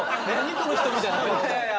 この人」みたいな顔。